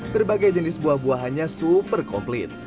berbagai jenis buah buahannya super komplit